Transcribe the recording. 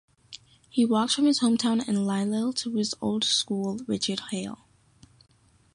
He walked from his home town in Wylye to his old school Richard Hale.